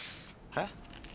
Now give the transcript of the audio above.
えっ？